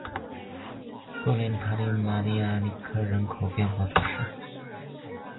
布列塔尼达尔马尼亚克人口变化图示